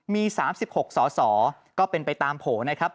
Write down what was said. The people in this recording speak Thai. มี๓๖สสก็เป็นไปตามโผล่นะครับ